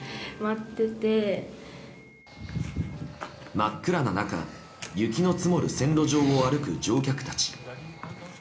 真っ暗な中、雪の積もる線路上を歩く乗客たち。